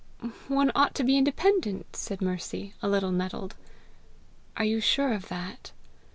"One ought to be independent!" said Mercy, a little nettled. "Are you sure of that?